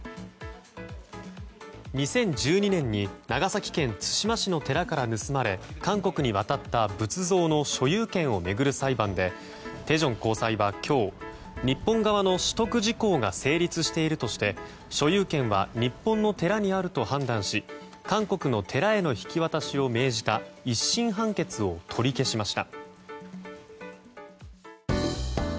２０１２年に長崎県対馬市の寺から盗まれ韓国に渡った仏像の所有権を巡る裁判でテジョン高裁は今日日本側の取得時効が成立しているとして所有権は日本の寺にあると判断し韓国の寺への引き渡しを命じた１審判決を取り消しました。